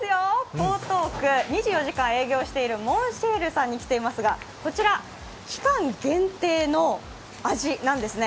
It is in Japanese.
江東区２４時間営業しているモンシェールさんに来ていますがこちら、期間限定の味なんですね。